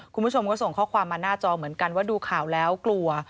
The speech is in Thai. คุณผู้ชมก็ส่งข้อความมาหน้าจอเหมือนกันว่าดูข่าวแล้วกลัว